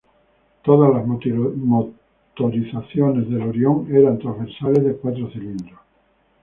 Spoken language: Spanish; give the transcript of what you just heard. Todas las motorizaciones del Orion eran transversales de cuatro cilindros.